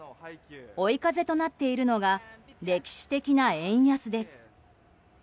追い風となっているのが歴史的な円安です。